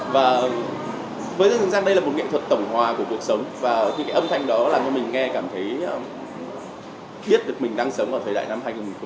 và với rất chính xác đây là một nghệ thuật tổng hòa của cuộc sống và những cái âm thanh đó làm cho mình nghe cảm thấy biết được mình đang sống ở thời đại năm hai nghìn hai mươi hai